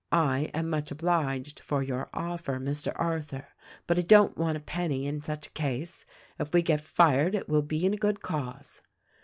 I am much obliged for your offer, Mr. Arthur; but I don't want a penny in such a case; if we get fired it will be in a good cause."